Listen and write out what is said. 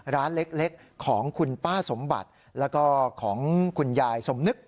ร้านเล็กของคุณป้าสมบัติแล้วก็ของคุณยายสมนึก